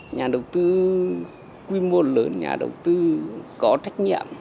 nhà đầu tư quy mô lớn nhà đầu tư có trách nhiệm